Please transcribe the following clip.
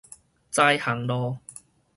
知行路